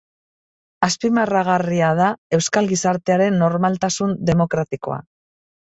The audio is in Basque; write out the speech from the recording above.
Azpimarragarria da euskal gizartearen normaltasun demokratikoa.